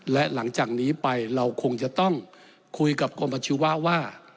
และหลังจากนี้ไปเราคงจะต้องคุยกับกรมอาชีวะว่า